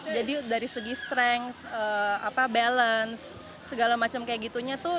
dari segi strength balance segala macam kayak gitunya tuh